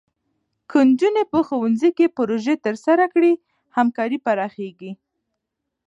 که نجونې په ښوونځي کې پروژې ترسره کړي، همکاري پراخېږي.